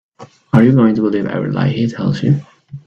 Are you going to believe every lie he tells you?